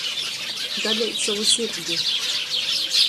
Daleit sovu sirdi.